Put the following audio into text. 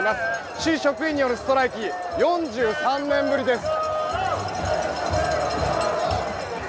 市職員によるストライキ４３年ぶりです。